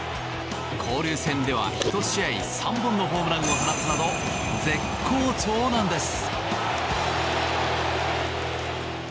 交流戦では１試合３本のホームランを放つなど絶好調なんです。